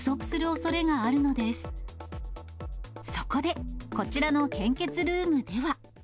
そこで、こちらの献血ルームでは。